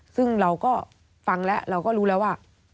ซึ่งเราก็ฟังแล้วเราก็รู้แล้วว่า